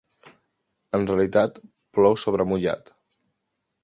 En realitat, plou sobre mullat.